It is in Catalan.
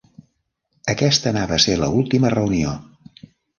Aquesta anava a ser l'última reunió.